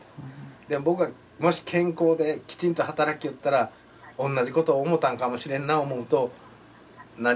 でも僕がもし健康できちんと働きよったら同じことを思うたんかもしれんな思うとなんにも言えんのですけど。